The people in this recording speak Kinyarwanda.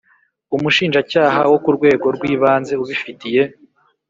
Umushinjacyaha wo ku rwego rw ibanze ubifitiye